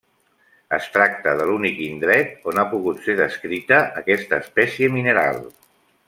Es tracta de l'únic indret on ha pogut ser descrita aquesta espècie mineral.